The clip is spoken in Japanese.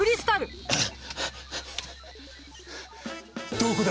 どこだ？